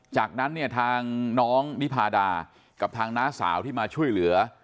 จากนั้นเนี่ยทางน้องนิพาดากับทางน้าสาวที่มาช่วยเหลือ